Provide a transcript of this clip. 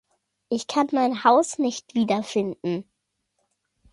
Ich kann mein Haus nicht wiederfinden.